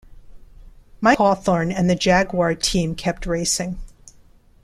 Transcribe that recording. Mike Hawthorn and the Jaguar team kept racing.